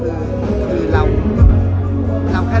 อเรนนี่มากันนาน